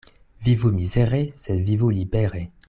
Vivu mizere, sed vivu libere!